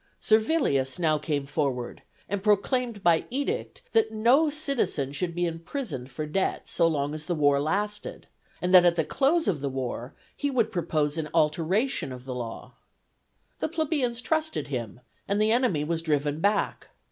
Servilius now came forward and proclaimed by edict that no citizen should be imprisoned for debt so long as the war lasted, and that at the close of the war he would propose an alteration of the law. The plebeians trusted him, and the enemy was driven back.